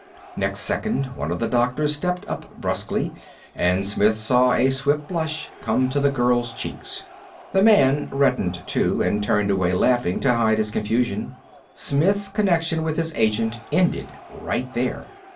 Next second one of the doctors stepped up bruskly, and Smith saw a swift blush come to the girl's cheeks. The man reddened, too, and turned away laughing to hide his confusion. Smith's connection with his agent ended right there.